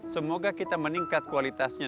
semoga kita meningkat kualitasnya